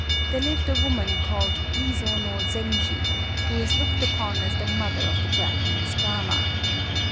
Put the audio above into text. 1108), there lived a woman called Iso no Zenji, who is looked upon as the mother of the Japanese drama.